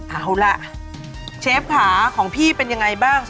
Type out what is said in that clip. เอาล่ะเชฟค่ะของพี่เป็นยังไงบ้าง